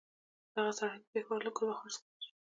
دغه سړی د پېښور له ګلبهار څخه پېژنم.